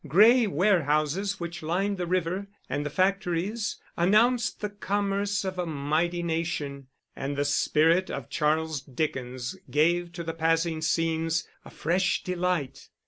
Gray warehouses which lined the river, and the factories, announced the commerce of a mighty nation; and the spirit of Charles Dickens gave to the passing scenes a fresh delight.